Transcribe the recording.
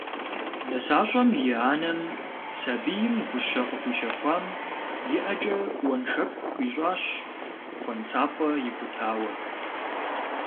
Нысащӏэм и анэм, сэбийм гущэ къыхуищэхуам, и ӏэкӏэ уэншэку хуищӏащ куэнсапӏэ икӏутауэ.